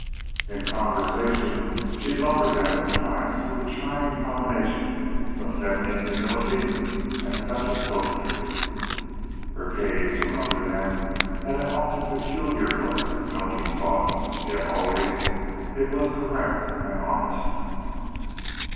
In conversation she lowered them at times with a charming combination of feminine humility and a touch of coquetry. Her gaze from under them had often a peculiar look of melting softness, yet always it was direct and honest.